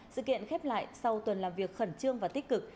sự kiện khép lại sau tuần làm việc khẩn trương và tích cực